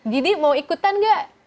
gini mau ikutan gak